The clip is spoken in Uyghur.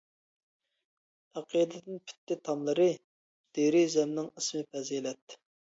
ئەقىدىدىن پۈتتى تاملىرى، دېرىزەمنىڭ ئىسمى پەزىلەت.